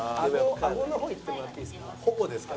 あごの方いってもらっていいですか？